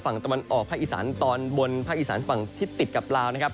ภาคอีสานตอนบนภาคอีสานฝั่งที่ติดกับลาวนะครับ